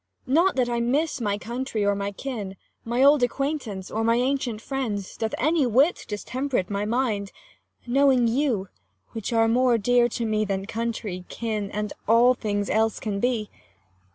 Cor. Not that I miss my country or my kin, My old acquaintance or my ancient friends, 30 Doth any whit distemperate my mind, Knowing you, which are more dear to me Than country, kin, and all things else can be.